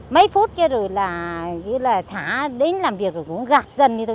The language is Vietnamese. mấy phút kia rồi là chả đến làm việc rồi cũng gạt dần như thế thôi